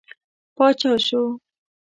پاچا شو.